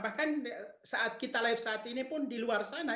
bahkan saat kita live saat ini pun di luar sana